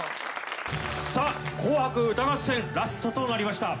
『紅白歌合戦』ラストとなりました